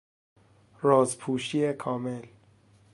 راز پوشی کامل